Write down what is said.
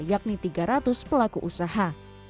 yakni tiga ratus pelaku usaha